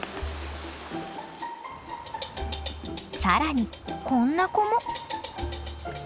更にこんな子も。